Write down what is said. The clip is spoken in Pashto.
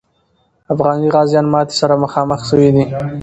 افغاني غازیان ماتي سره مخامخ سوي دي.